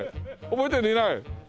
覚えてるのいない？